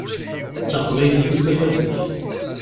D taqbaylit i d tafat-ik.